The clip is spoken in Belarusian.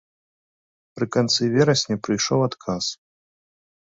Пры канцы верасня прыйшоў адказ.